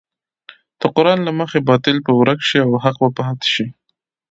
د قران له مخې باطل به ورک شي او حق به پاتې شي.